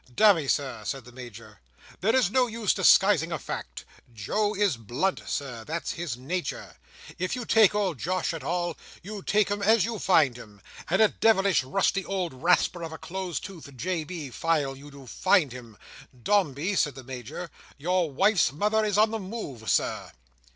"Damme, Sir," said the Major, "there is no use in disguising a fact. Joe is blunt, Sir. That's his nature. If you take old Josh at all, you take him as you find him; and a devilish rusty, old rasper, of a close toothed, J. B. file, you do find him. Dombey," said the Major, "your wife's mother is on the move, Sir."